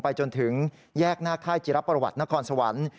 จนถึงแยกหน้าค่ายจิรับประวัตินครสวรรค์